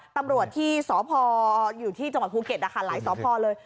ตำรวจที่สพอยู่ที่จังหวัดภูเก็ตหลายสพเลย